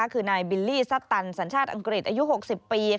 คือนายบิลลี่ซัปตันสัญชาติอังกฤษอายุ๖๐ปี